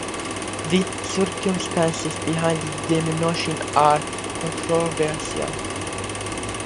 The circumstances behind his demotion are controversial.